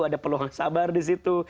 ada peluang sabar disitu